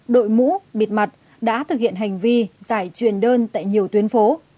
đội mũ bịt mặt đã thực hiện hành vi giải truyền đơn tại nhiều tuyến phố